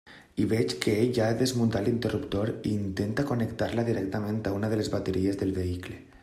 I veig que ell ja ha desmuntat l'interruptor i intenta connectar-la directament a una de les bateries del vehicle.